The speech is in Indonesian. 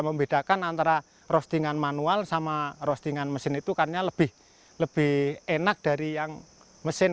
membedakan antara roasting an manual sama roasting an mesin itu karenanya lebih lebih enak dari yang mesin